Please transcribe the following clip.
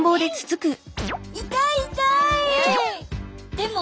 でも。